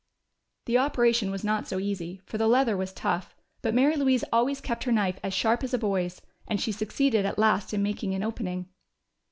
The operation was not so easy, for the leather was tough, but Mary Louise always kept her knife as sharp as a boy's, and she succeeded at last in making an opening.